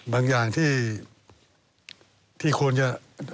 บางอย่างที่ที่ควรจะ